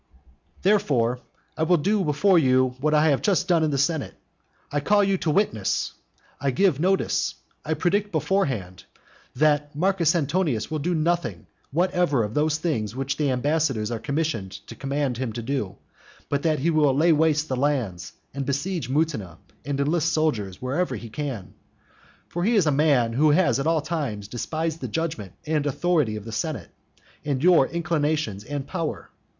III. Therefore, I will do now before you what I have just done in the senate. I call you to witness, I give notice, I predict beforehand, that Marcus Antonius will do nothing whatever of those things which the ambassadors are commissioned to command him to do; but that he will lay waste the lands, and besiege Mutina and enlist soldiers, wherever he can. For he is a man who has at all times despised the judgment and authority of the senate, and your inclinations and power.